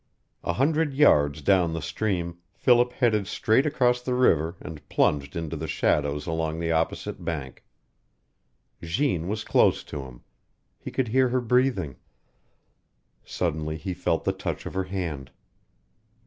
A hundred yards down the stream Philip headed straight across the river and plunged into the shadows along the opposite bank. Jeanne was close to him. He could hear her breathing. Suddenly he felt the touch of her hand.